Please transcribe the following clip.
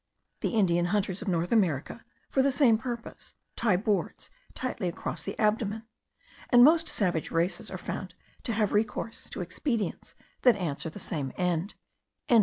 The Indian hunters of North America, for the same purpose, tie boards tightly across the abdomen; and most savage races are found to have recourse to expedients that answer the same end.)